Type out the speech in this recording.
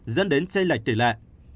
dẫn đến chây lệch tỷ lệ